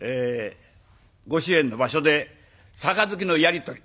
ご酒宴の場所で杯のやり取り。